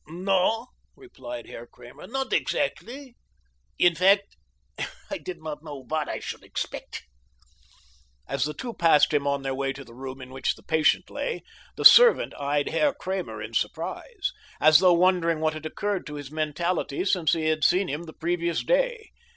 "No," replied Herr Kramer, "not exactly. In fact, I did not know what I should expect." As the two passed him on their way to the room in which the patient lay, the servant eyed Herr Kramer in surprise, as though wondering what had occurred to his mentality since he had seen him the previous day.